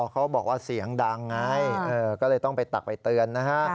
เขาบอกว่าเสียงดังไงก็เลยต้องไปตักไปเตือนนะฮะ